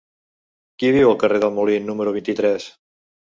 Qui viu al carrer del Molí número vint-i-tres?